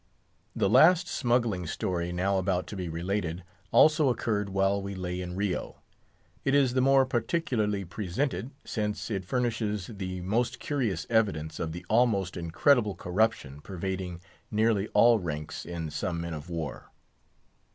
The last smuggling story now about to be related also occurred while we lay in Rio. It is the more particularly presented, since it furnishes the most curious evidence of the almost incredible corruption pervading nearly all ranks in some men of war.